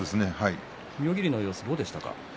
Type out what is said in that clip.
妙義龍の様子はどうでしたか。